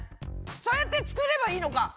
そうやって作ればいいのか。